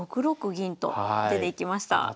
６六銀と出ていきました。